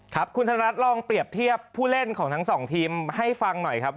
ครับคุณธนัทลองเปรียบเทียบผู้เล่นของทั้งสองทีมให้ฟังหน่อยครับ